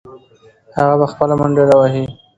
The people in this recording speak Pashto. هغه به خپله منډې راوهي.